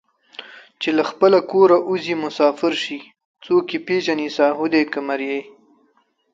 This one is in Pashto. چې له خپله کوره اوځي مسافر شي څوک یې پېژني ساهو دی که مریی